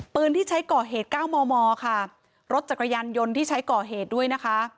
ที่ใช้ก่อเหตุเก้ามอมอค่ะรถจักรยานยนต์ที่ใช้ก่อเหตุด้วยนะคะ